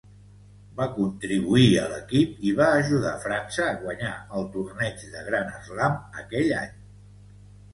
Va contribuir a l'equip i va ajudar França a guanyar el torneig de Grand Slam aquell any.